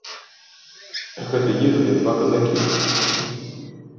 Гэта ехалі два казакі.